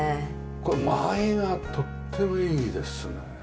この間合いがとってもいいですね。